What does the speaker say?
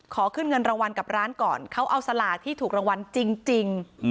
ขอขึ้นเงินรางวัลกับร้านก่อนเขาเอาสลากที่ถูกรางวัลจริง